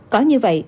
có như vậy